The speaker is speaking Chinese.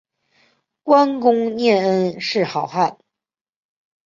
观功念恩是好汉